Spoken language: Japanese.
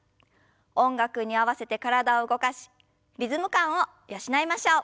音楽に合わせて体を動かしリズム感を養いましょう。